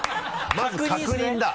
まず確認だ！